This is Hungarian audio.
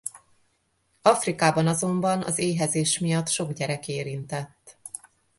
Afrikában azonban az éhezés miatt sok gyerek érintett.